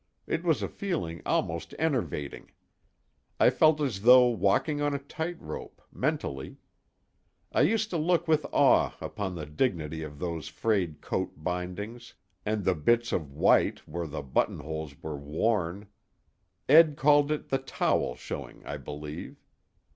It was a feeling almost enervating. I felt as though walking on a tight rope mentally. I used to look with awe upon the dignity of those frayed coat bindings, and the bits of white where the button holes were worn Ed called it "the towel" showing, I believe.